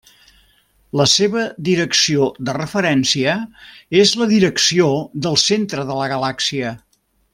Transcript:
La seva direcció de referència és la direcció del centre de la galàxia.